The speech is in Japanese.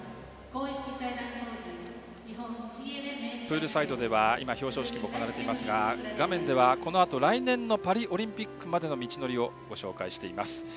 プールサイドでは今、表彰式も行われていますが画面では、このあと来年のパリオリンピックまでの道のりをご紹介しています。